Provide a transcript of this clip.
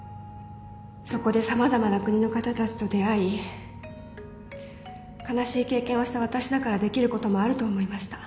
そこで様々な国の方たちと出会い悲しい経験をした私だからできることもあると思いました。